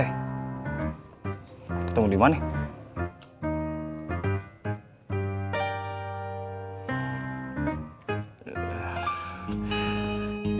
ketemu dimana nih